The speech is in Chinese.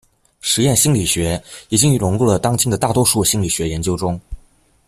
实验心理学已经融入了当今的大多数心理学研究中。